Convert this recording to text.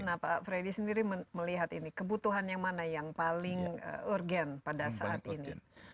nah pak freddy sendiri melihat ini kebutuhan yang mana yang paling urgen pada saat ini